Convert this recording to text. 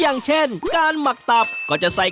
อย่างเช่นการหมักตับก็จะใส่